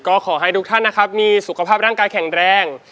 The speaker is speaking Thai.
ก็ขอให้ทุกท่านนะครับมีสุขภาพร่างกายแข็งแรง